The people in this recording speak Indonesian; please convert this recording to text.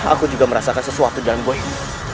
aku juga merasakan sesuatu dalam gua ini